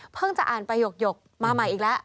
เพิ่งจะอ่านประโยคมาใหม่อีกแล้ว